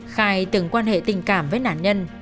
khai từng quan hệ tình cảm với nạn nhân